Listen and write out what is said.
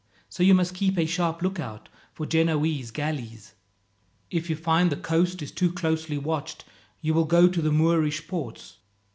So you must keep a sharp lookout for Genoese galleys. If you find the coast is too closely watched, you will go to the Moorish ports.